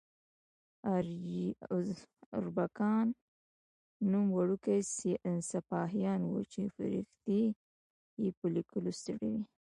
اربکیان نوم ورکي سپاهیان وو چې فرښتې یې په لیکلو ستړې وي.